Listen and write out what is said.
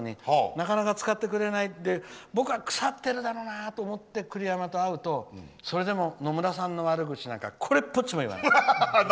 なかなか使ってくれないって僕は腐ってるだろうなと思って、栗山と会うとそれでも野村さんの悪口なんかこれっぽっちも言わない。